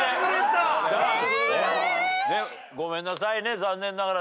ごめんなさいね残念ながら。